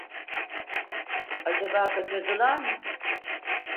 Acaba kaçırdılar mı?